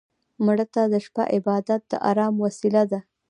مړه ته د شپه عبادت د ارام وسيله ده